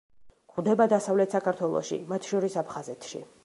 გვხვდება დასავლეთ საქართველოში, მათ შორის აფხაზეთში.